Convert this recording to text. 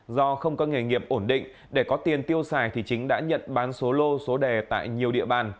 do không có nghề nghiệp ổn định để có tiền tiêu xài thì chính đã nhận bán số lô số đề tại nhiều địa bàn